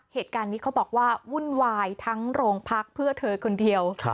เหตุการณ์นี้เขาบอกว่าวุ่นวายทั้งโรงพักเพื่อเธอคนเดียว